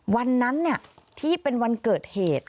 วันนั้นที่เป็นวันเกิดเหตุ